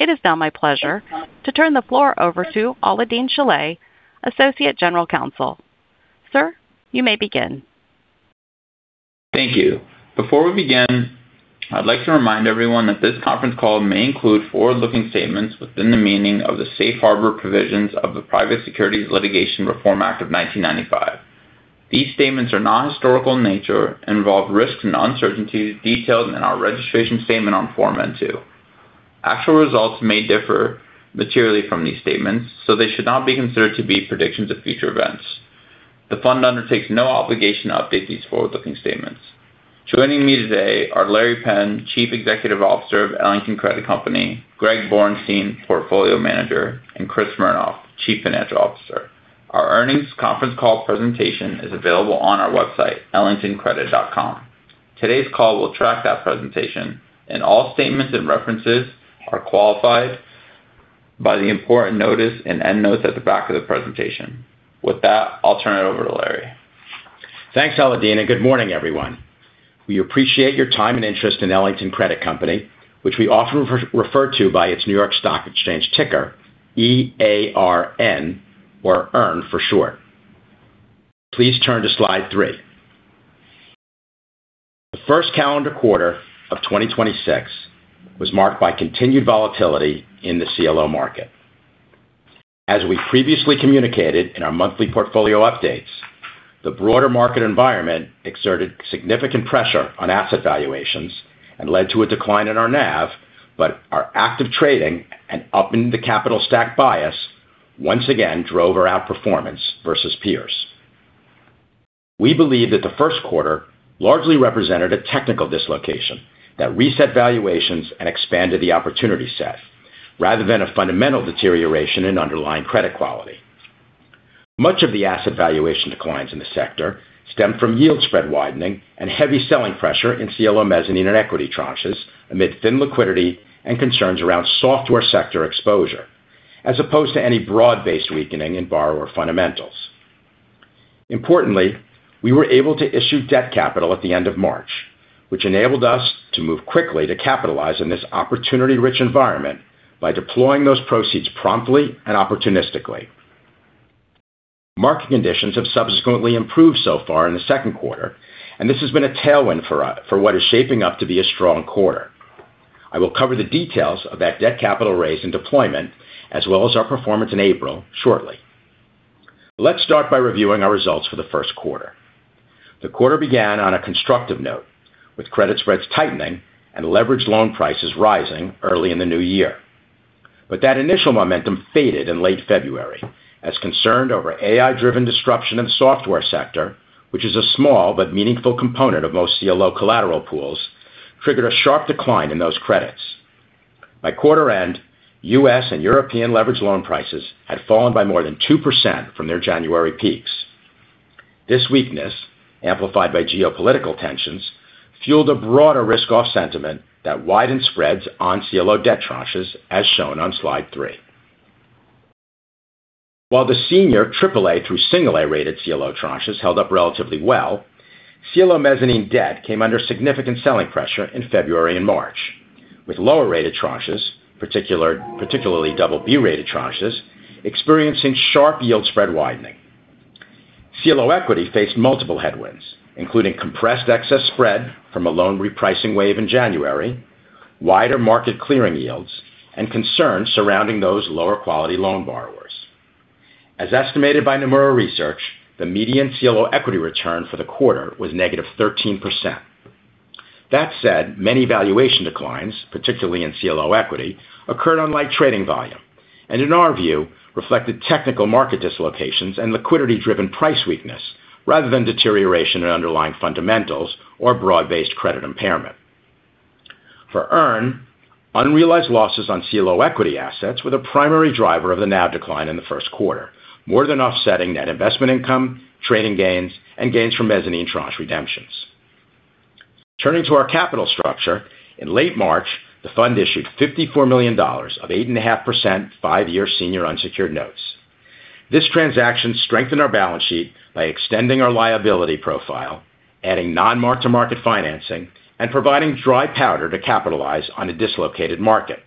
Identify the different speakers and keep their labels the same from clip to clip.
Speaker 1: It is now my pleasure to turn the floor over to Alaael-Deen Shilleh, Associate General Counsel. Sir, you may begin.
Speaker 2: Thank you. Before we begin, I'd like to remind everyone that this conference call may include forward-looking statements within the meaning of the safe harbor provisions of the Private Securities Litigation Reform Act of 1995. These statements are non-historical in nature and involve risks and uncertainties detailed in our registration statement on Form N-2. Actual results may differ materially from these statements, so they should not be considered to be predictions of future events. The fund undertakes no obligation to update these forward-looking statements. Joining me today are Larry Penn, Chief Executive Officer of Ellington Credit Company, Greg Borenstein, Portfolio Manager, and Chris Smernoff, Chief Financial Officer. Our earnings conference call presentation is available on our website, ellingtoncredit.com. Today's call will track that presentation, and all statements and references are qualified by the important notice and end notes at the back of the presentation. With that, I'll turn it over to Larry.
Speaker 3: Thanks, Alaael-Deen Shilleh, good morning, everyone. We appreciate your time and interest in Ellington Credit Company, which we often refer to by its New York Stock Exchange ticker, E-A-R-N, or EARN for short. Please turn to slide three. The first calendar quarter of 2026 was marked by continued volatility in the CLO market. As we previously communicated in our monthly portfolio updates, the broader market environment exerted significant pressure on asset valuations and led to a decline in our NAV, but our active trading and up in the capital stack bias once again drove our outperformance versus peers. We believe that the first quarter largely represented a technical dislocation that reset valuations and expanded the opportunity set rather than a fundamental deterioration in underlying credit quality. Much of the asset valuation declines in the sector stemmed from yield spread widening and heavy selling pressure in CLO mezzanine and equity tranches amid thin liquidity and concerns around software sector exposure, as opposed to any broad-based weakening in borrower fundamentals. Importantly, we were able to issue debt capital at the end of March, which enabled us to move quickly to capitalize in this opportunity-rich environment by deploying those proceeds promptly and opportunistically. Market conditions have subsequently improved so far in the second quarter, and this has been a tailwind for what is shaping up to be a strong quarter. I will cover the details of that debt capital raise and deployment, as well as our performance in April shortly. Let's start by reviewing our results for the first quarter. The quarter began on a constructive note, with credit spreads tightening and leveraged loan prices rising early in the new year. That initial momentum faded in late February, as concerns over AI-driven disruption in the software sector, which is a small but meaningful component of most CLO collateral pools, triggered a sharp decline in those credits. By quarter end, U.S. and European leveraged loan prices had fallen by more than 2% from their January peaks. This weakness, amplified by geopolitical tensions, fueled a broader risk-off sentiment that widened spreads on CLO debt tranches, as shown on slide three. While the senior AAA through single A-rated CLO tranches held up relatively well, CLO mezzanine debt came under significant selling pressure in February and March, with lower-rated tranches, particularly BB-rated tranches, experiencing sharp yield spread widening. CLO equity faced multiple headwinds, including compressed excess spread from a loan repricing wave in January, wider market clearing yields, and concerns surrounding those lower-quality loan borrowers. As estimated by Nomura Research, the median CLO equity return for the quarter was -13%. That said, many valuation declines, particularly in CLO equity, occurred on light trading volume and in our view, reflected technical market dislocations and liquidity-driven price weakness rather than deterioration in underlying fundamentals or broad-based credit impairment. For EARN, unrealized losses on CLO equity assets were the primary driver of the NAV decline in the first quarter, more than offsetting net investment income, trading gains, and gains from mezzanine tranche redemptions. Turning to our capital structure, in late March, the fund issued $54 million of 8.5% five-year senior unsecured notes. This transaction strengthened our balance sheet by extending our liability profile, adding non-mark-to-market financing, and providing dry powder to capitalize on a dislocated market.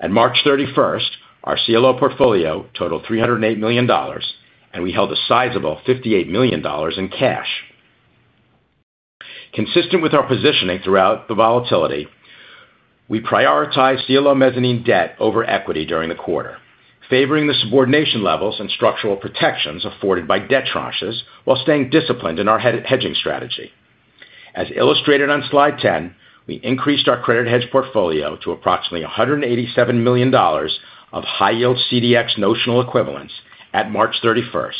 Speaker 3: At March 31st, our CLO portfolio totaled $308 million, and we held a sizable $58 million in cash. Consistent with our positioning throughout the volatility, we prioritize CLO mezzanine debt over equity during the quarter, favoring the subordination levels and structural protections afforded by debt tranches while staying disciplined in our hedging strategy. As illustrated on slide 10, we increased our credit hedge portfolio to approximately $187 million of high-yield CDX notional equivalents at March 31st,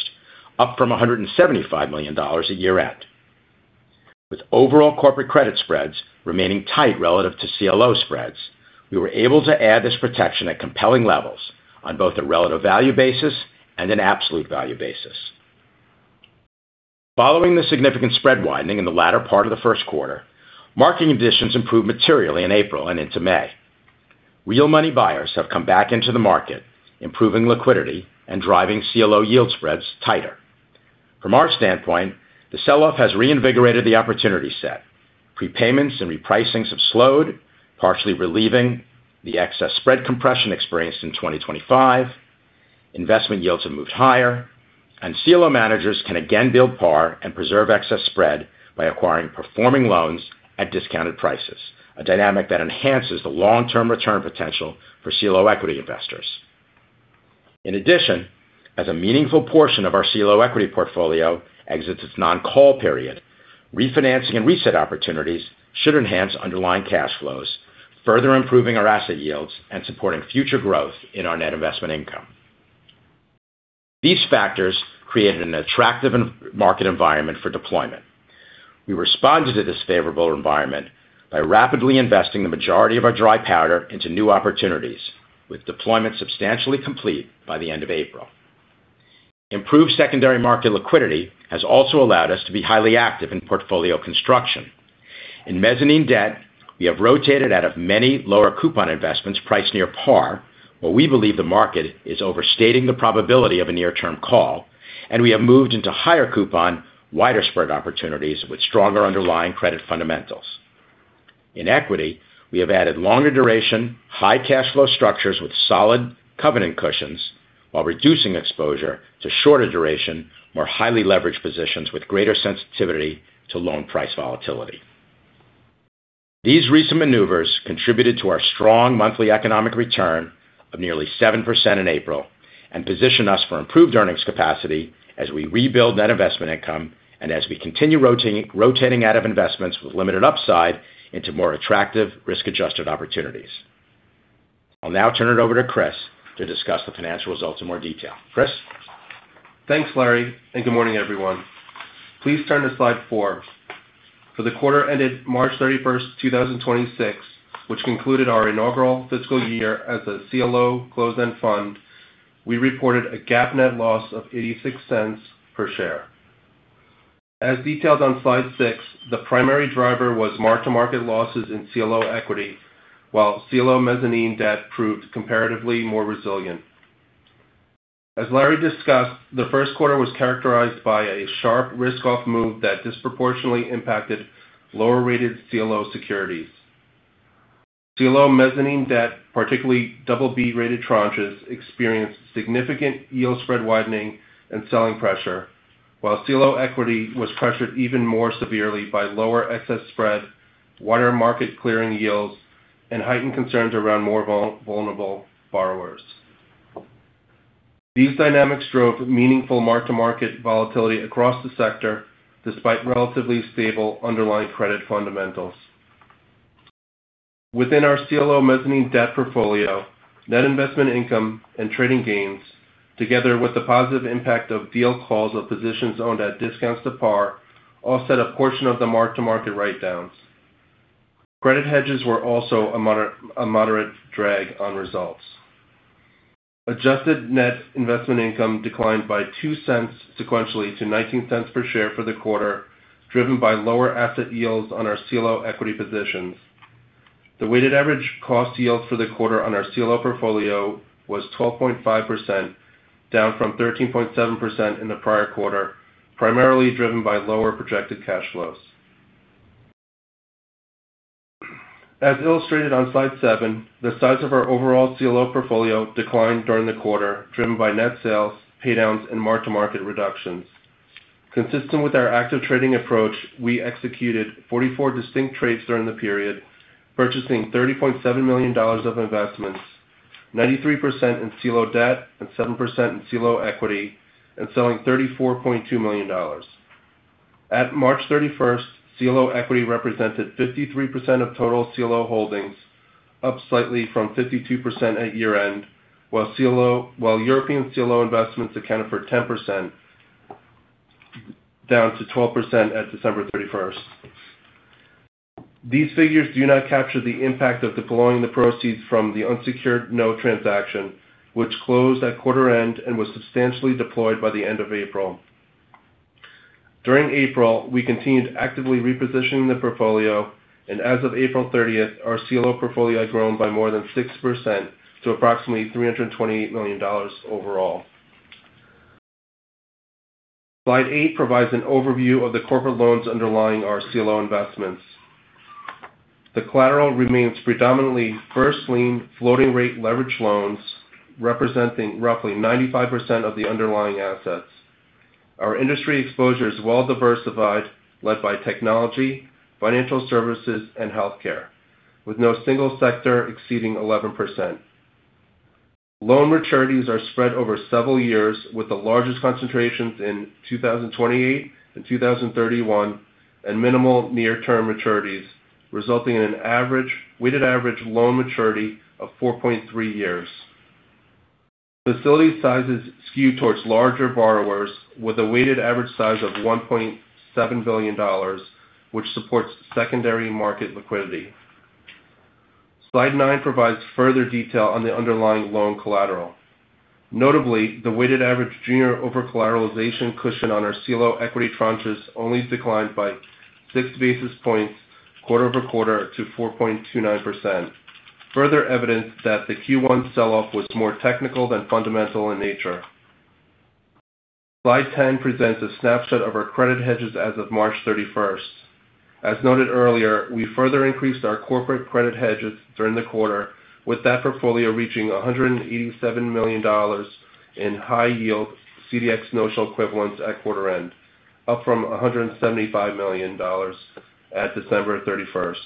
Speaker 3: up from $175 million at year-end. With overall corporate credit spreads remaining tight relative to CLO spreads, we were able to add this protection at compelling levels on both a relative value basis and an absolute value basis. Following the significant spread widening in the latter part of the first quarter, market conditions improved materially in April and into May. Real money buyers have come back into the market, improving liquidity and driving CLO yield spreads tighter. From our standpoint, the sell-off has reinvigorated the opportunity set. Prepayments and repricings have slowed, partially relieving the excess spread compression experienced in 2025. Investment yields have moved higher, and CLO managers can again build par and preserve excess spread by acquiring performing loans at discounted prices, a dynamic that enhances the long-term return potential for CLO equity investors. In addition, as a meaningful portion of our CLO equity portfolio exits its non-call period, refinancing and reset opportunities should enhance underlying cash flows, further improving our asset yields and supporting future growth in our net investment income. These factors created an attractive market environment for deployment. We responded to this favorable environment by rapidly investing the majority of our dry powder into new opportunities, with deployment substantially complete by the end of April. Improved secondary market liquidity has also allowed us to be highly active in portfolio construction. In mezzanine debt, we have rotated out of many lower coupon investments priced near par, where we believe the market is overstating the probability of a near-term call, and we have moved into higher coupon, wider spread opportunities with stronger underlying credit fundamentals. In equity, we have added longer duration, high cash flow structures with solid covenant cushions, while reducing exposure to shorter duration, more highly leveraged positions with greater sensitivity to loan price volatility. These recent maneuvers contributed to our strong monthly economic return of nearly 7% in April, and position us for improved earnings capacity as we rebuild net investment income and as we continue rotating out of investments with limited upside into more attractive risk-adjusted opportunities. I'll now turn it over to Chris to discuss the financial results in more detail. Chris?
Speaker 4: Thanks, Larry, and good morning, everyone. Please turn to slide four. For the quarter ended March 31st, 2026, which concluded our inaugural fiscal year as a CLO closed-end fund, we reported a GAAP net loss of $0.86 per share. As detailed on slide six, the primary driver was mark-to-market losses in CLO equity, while CLO mezzanine debt proved comparatively more resilient. As Larry discussed, the first quarter was characterized by a sharp risk-off move that disproportionately impacted lower-rated CLO securities. CLO mezzanine debt, particularly BB-rated tranches, experienced significant yield spread widening and selling pressure, while CLO equity was pressured even more severely by lower excess spread, wider market clearing yields, and heightened concerns around more vulnerable borrowers. These dynamics drove meaningful mark-to-market volatility across the sector, despite relatively stable underlying credit fundamentals. Within our CLO mezzanine debt portfolio, net investment income and trading gains, together with the positive impact of deal calls of positions owned at discounts to par, offset a portion of the mark-to-market write-downs. Credit hedges were also a moderate drag on results. Adjusted net investment income declined by $0.02 sequentially to $0.19 per share for the quarter, driven by lower asset yields on our CLO equity positions. The weighted average cost yield for the quarter on our CLO portfolio was 12.5%, down from 13.7% in the prior quarter, primarily driven by lower projected cash flows. As illustrated on slide seven, the size of our overall CLO portfolio declined during the quarter, driven by net sales, pay-downs and mark-to-market reductions. Consistent with our active trading approach, we executed 44 distinct trades during the period, purchasing $30.7 million of investments, 93% in CLO debt and 7% in CLO equity, and selling $34.2 million. At March 31st, CLO equity represented 53% of total CLO holdings, up slightly from 52% at year-end, while European CLO investments accounted for 10%, down to 12% at December 31st. These figures do not capture the impact of deploying the proceeds from the unsecured note transaction, which closed at quarter-end and was substantially deployed by the end of April. During April, we continued actively repositioning the portfolio, and as of April 30th, our CLO portfolio had grown by more than 6% to approximately $328 million overall. Slide eight provides an overview of the corporate loans underlying our CLO investments. The collateral remains predominantly first-lien floating rate leveraged loans, representing roughly 95% of the underlying assets. Our industry exposure is well diversified, led by technology, financial services, and healthcare, with no single sector exceeding 11%. Loan maturities are spread over several years, with the largest concentrations in 2028 and 2031, and minimal near-term maturities, resulting in a weighted average loan maturity of 4.3 years. Facility sizes skew towards larger borrowers with a weighted average size of $1.7 billion, which supports secondary market liquidity. Slide nine provides further detail on the underlying loan collateral. Notably, the weighted average junior overcollateralization cushion on our CLO equity tranches only declined by 6 basis points quarter-over-quarter to 4.29%. Further evidence that the Q1 sell-off was more technical than fundamental in nature. Slide 10 presents a snapshot of our credit hedges as of March 31st. As noted earlier, we further increased our corporate credit hedges during the quarter, with that portfolio reaching $187 million in high yield CDX notional equivalents at quarter-end, up from $175 million at December 31st.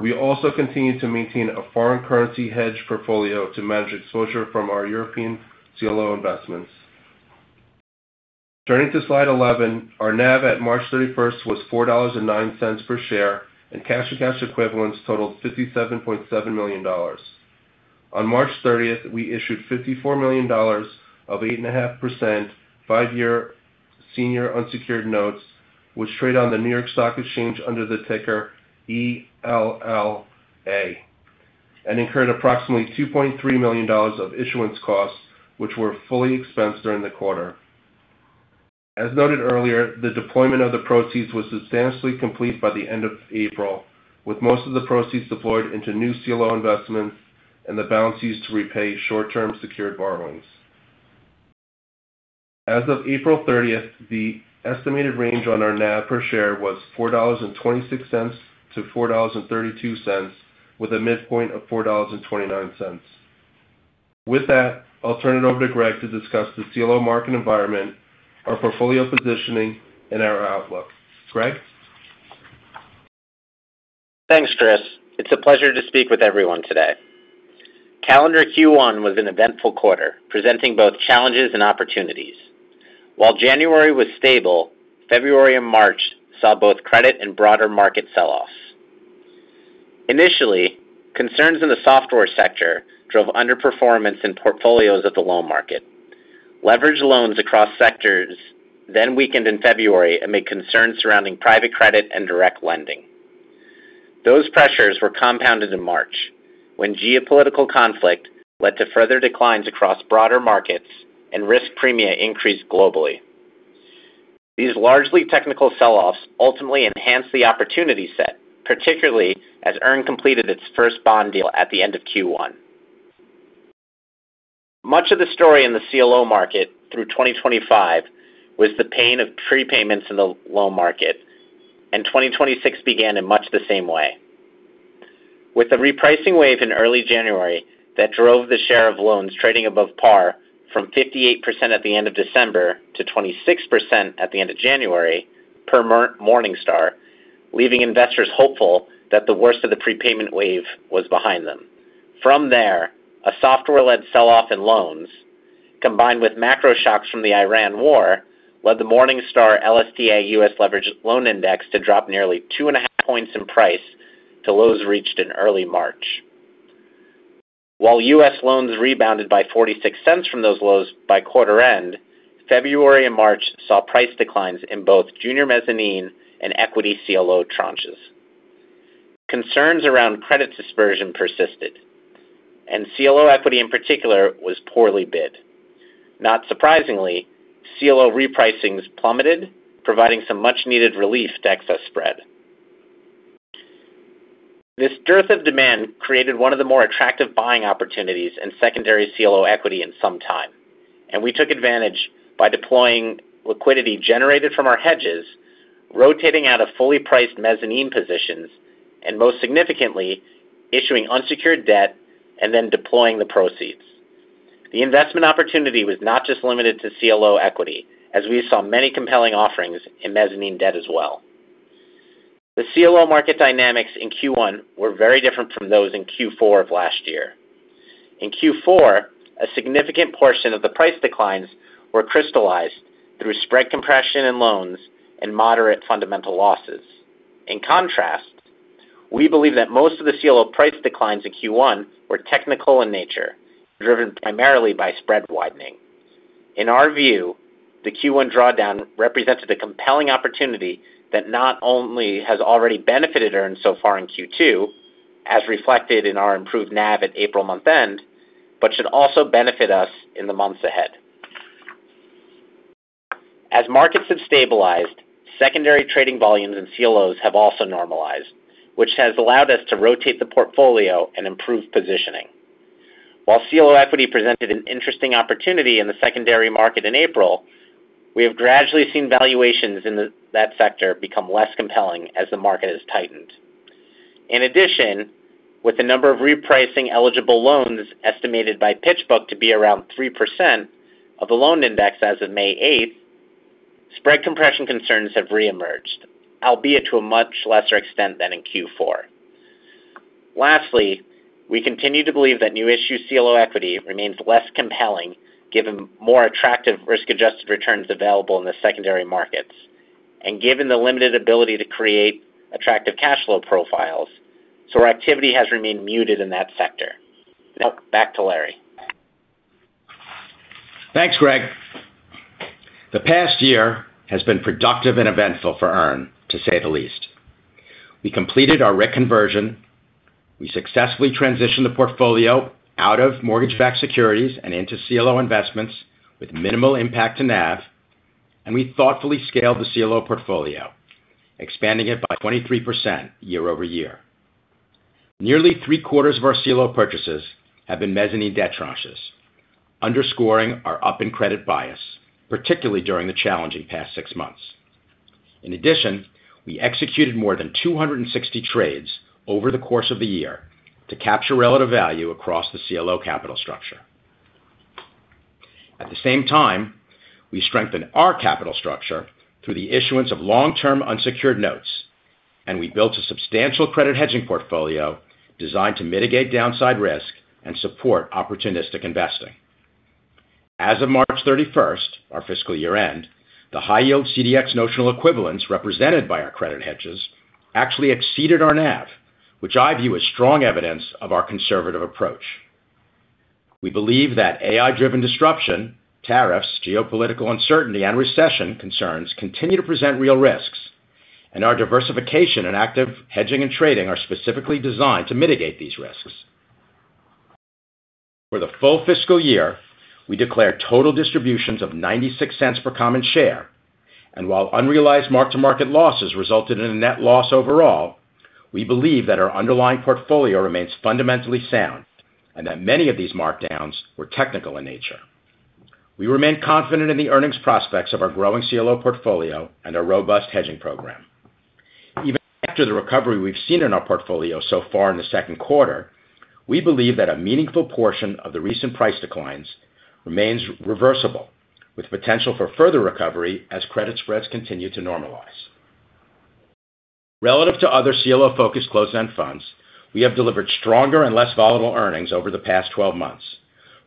Speaker 4: We also continue to maintain a foreign currency hedge portfolio to manage exposure from our European CLO investments. Turning to slide 11, our NAV at March 31st was $4.09 per share, and cash equivalents totaled $57.7 million. On March 30th, we issued $54 million of 8.5% five-year senior unsecured notes, which trade on the New York Stock Exchange under the ticker E-L-L-A, and incurred approximately $2.3 million of issuance costs, which were fully expensed during the quarter. As noted earlier, the deployment of the proceeds was substantially complete by the end of April, with most of the proceeds deployed into new CLO investments and the balance used to repay short-term secured borrowings. As of April 30th, the estimated range on our NAV per share was $4.26-$4.32, with a midpoint of $4.29. With that, I'll turn it over to Greg to discuss the CLO market environment, our portfolio positioning, and our outlook. Greg?
Speaker 5: Thanks, Chris. It's a pleasure to speak with everyone today. Calendar Q1 was an eventful quarter, presenting both challenges and opportunities. While January was stable, February and March saw both credit and broader market sell-offs. Initially, concerns in the software sector drove underperformance in portfolios of the loan market. Leveraged loans across sectors weakened in February amid concerns surrounding private credit and direct lending. Those pressures were compounded in March, when geopolitical conflict led to further declines across broader markets and risk premia increased globally. These largely technical sell-offs ultimately enhanced the opportunity set, particularly as EARN completed its first bond deal at the end of Q1. Much of the story in the CLO market through 2025 was the pain of prepayments in the loan market, and 2026 began in much the same way. With the repricing wave in early January, that drove the share of loans trading above par from 58% at the end of December to 26% at the end of January, per Morningstar, leaving investors hopeful that the worst of the prepayment wave was behind them. A software-led sell-off in loans, combined with macro shocks from the Iran war, led the Morningstar LSTA U.S. Leveraged Loan Index to drop nearly 2.5 points in price to lows reached in early March. While U.S. loans rebounded by $0.46 from those lows by quarter-end, February and March saw price declines in both junior mezzanine and equity CLO tranches. Concerns around credit dispersion persisted, and CLO equity in particular was poorly bid. Not surprisingly, CLO repricings plummeted, providing some much-needed relief to excess spread. This dearth of demand created one of the more attractive buying opportunities in secondary CLO equity in some time, and we took advantage by deploying liquidity generated from our hedges, rotating out of fully priced mezzanine positions, and most significantly, issuing unsecured debt and then deploying the proceeds. The investment opportunity was not just limited to CLO equity, as we saw many compelling offerings in mezzanine debt as well. The CLO market dynamics in Q1 were very different from those in Q4 of last year. In Q4, a significant portion of the price declines were crystallized through spread compression in loans and moderate fundamental losses. In contrast, we believe that most of the CLO price declines in Q1 were technical in nature, driven primarily by spread widening. In our view, the Q1 drawdown represents a compelling opportunity that not only has already benefited EARN so far in Q2, as reflected in our improved NAV at April month-end, but should also benefit us in the months ahead. As markets have stabilized, secondary trading volumes in CLOs have also normalized, which has allowed us to rotate the portfolio and improve positioning. While CLO equity presented an interesting opportunity in the secondary market in April, we have gradually seen valuations in that sector become less compelling as the market has tightened. In addition, with the number of repricing eligible loans estimated by PitchBook to be around 3% of the loan index as of May 8th, spread compression concerns have reemerged, albeit to a much lesser extent than in Q4. Lastly, we continue to believe that new issue CLO equity remains less compelling given more attractive risk-adjusted returns available in the secondary markets, and given the limited ability to create attractive cash flow profiles. Our activity has remained muted in that sector. Now, back to Larry.
Speaker 3: Thanks, Greg. The past year has been productive and eventful for EARN, to say the least. We completed our RIC conversion. We successfully transitioned the portfolio out of mortgage-backed securities and into CLO investments with minimal impact to NAV. We thoughtfully scaled the CLO portfolio, expanding it by 23% year-over-year. Nearly three-quarters of our CLO purchases have been mezzanine debt tranches, underscoring our up in credit bias, particularly during the challenging past six months. In addition, we executed more than 260 trades over the course of the year to capture relative value across the CLO capital structure. At the same time, we strengthened our capital structure through the issuance of long-term unsecured notes, and we built a substantial credit hedging portfolio designed to mitigate downside risk and support opportunistic investing. As of March 31st, our fiscal year-end, the high yield CDX notional equivalents represented by our credit hedges actually exceeded our NAV, which I view as strong evidence of our conservative approach. We believe that AI-driven disruption, tariffs, geopolitical uncertainty, and recession concerns continue to present real risks. Our diversification in active hedging and trading are specifically designed to mitigate these risks. For the full fiscal year, we declared total distributions of $0.96 per common share. While unrealized mark-to-market losses resulted in a net loss overall, we believe that our underlying portfolio remains fundamentally sound and that many of these markdowns were technical in nature. We remain confident in the earnings prospects of our growing CLO portfolio and our robust hedging program. Even after the recovery we've seen in our portfolio so far in the second quarter, we believe that a meaningful portion of the recent price declines remains reversible, with potential for further recovery as credit spreads continue to normalize. Relative to other CLO-focused closed-end funds, we have delivered stronger and less volatile earnings over the past 12 months,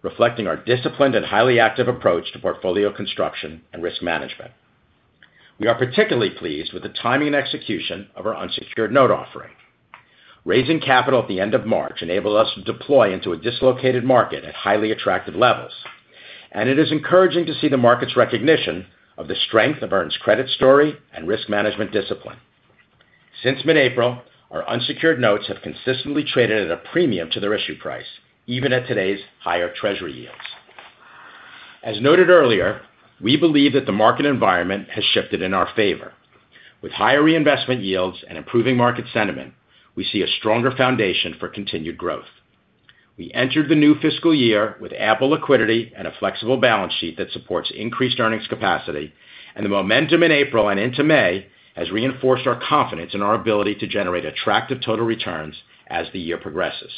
Speaker 3: reflecting our disciplined and highly active approach to portfolio construction and risk management. We are particularly pleased with the timing and execution of our unsecured note offering. Raising capital at the end of March enabled us to deploy into a dislocated market at highly attractive levels. It is encouraging to see the market's recognition of the strength of EARN's credit story and risk management discipline. Since mid-April, our unsecured notes have consistently traded at a premium to their issue price, even at today's higher Treasury yields. As noted earlier, we believe that the market environment has shifted in our favor. With higher reinvestment yields and improving market sentiment, we see a stronger foundation for continued growth. We entered the new fiscal year with ample liquidity and a flexible balance sheet that supports increased earnings capacity, the momentum in April and into May has reinforced our confidence in our ability to generate attractive total returns as the year progresses.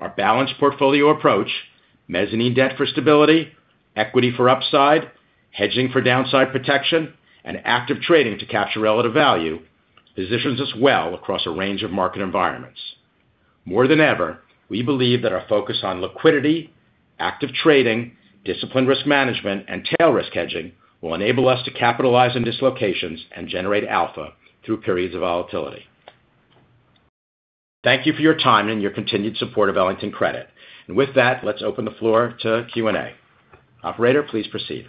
Speaker 3: Our balanced portfolio approach, mezzanine debt for stability, equity for upside, hedging for downside protection, and active trading to capture relative value, positions us well across a range of market environments. More than ever, we believe that our focus on liquidity, active trading, disciplined risk management, and tail risk hedging will enable us to capitalize on dislocations and generate alpha through periods of volatility. Thank you for your time and your continued support of Ellington Credit. With that, let's open the floor to Q&A. Operator, please proceed.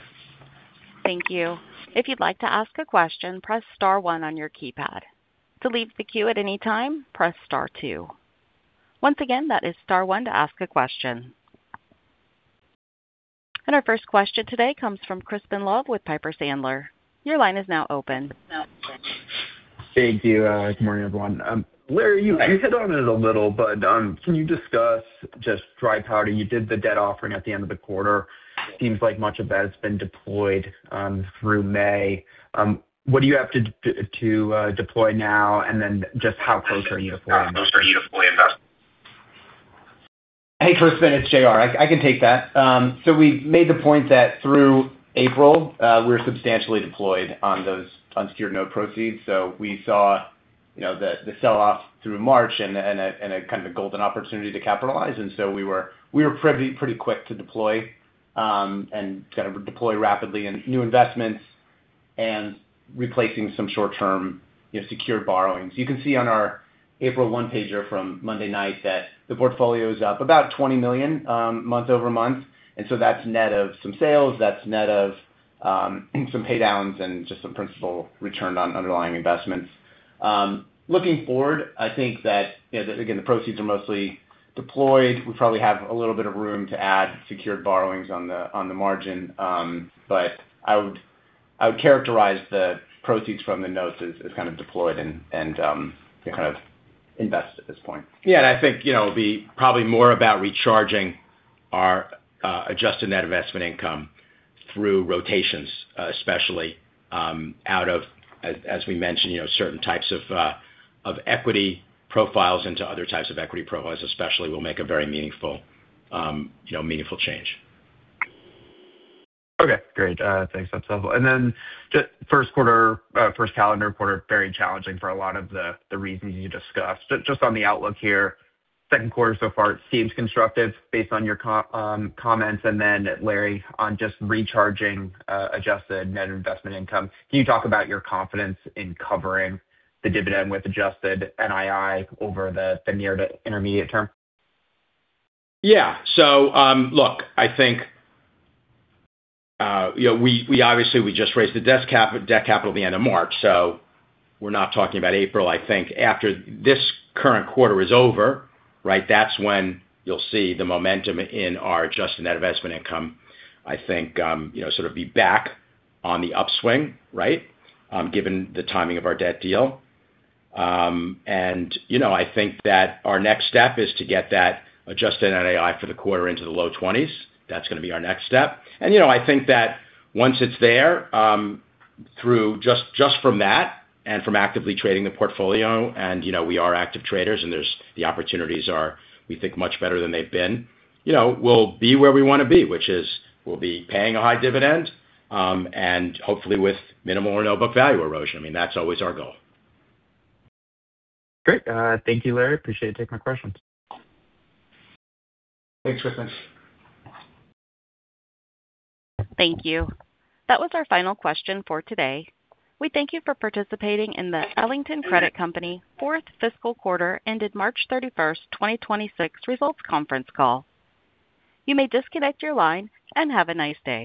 Speaker 1: Our first question today comes from Crispin Love with Piper Sandler. Your line is now open.
Speaker 6: Thank you. Good morning, everyone. Larry, you hit on it a little, but can you discuss just dry powder? You did the debt offering at the end of the quarter. It seems like much of that has been deployed through May. What do you have to deploy now? Just how close are you to fully invest?
Speaker 7: Hey, Crispin, it's JR I can take that. We made the point that through April, we were substantially deployed on those unsecured note proceeds. We saw the sell-off through March and a kind of golden opportunity to capitalize, we were pretty quick to deploy rapidly in new investments and replacing some short-term secured borrowings. You can see on our April one-pager from Monday night that the portfolio is up about $20 million month-over-month, that's net of some sales, that's net of some pay-downs and just some principal returned on underlying investments. Looking forward, I think that, again, the proceeds are mostly deployed. We probably have a little bit of room to add secured borrowings on the margin. I would characterize the proceeds from the notes as kind of deployed and kind of invested at this point.
Speaker 3: Yeah, I think it'll be probably more about recharging our adjusted net investment income through rotations, especially out of, as we mentioned, certain types of equity profiles into other types of equity profiles especially will make a very meaningful change.
Speaker 6: Okay, great. Thanks. That's helpful. First calendar quarter, very challenging for a lot of the reasons you discussed. Just on the outlook here, second quarter so far seems constructive based on your comments, Larry, on just recharging adjusted net investment income, can you talk about your confidence in covering the dividend with adjusted NII over the near to intermediate term?
Speaker 3: Yeah. Look, I think we obviously just raised the debt capital at the end of March, so we're not talking about April. I think after this current quarter is over, right, that's when you'll see the momentum in our adjusted net investment income, I think sort of be back on the upswing, right, given the timing of our debt deal. I think that our next step is to get that adjusted NII for the quarter into the low-20s. That's going to be our next step. I think that once it's there, just from that and from actively trading the portfolio, and we are active traders and the opportunities are, we think, much better than they've been. We'll be where we want to be, which is we'll be paying a high dividend, and hopefully with minimal or no book value erosion. I mean, that's always our goal.
Speaker 6: Great. Thank you, Larry. Appreciate you taking my questions.
Speaker 3: Thanks, Crispin.
Speaker 1: Thank you. That was our final question for today. We thank you for participating in the Ellington Credit Company fourth fiscal quarter ended March 31st, 2026 results conference call. You may disconnect your line and have a nice day.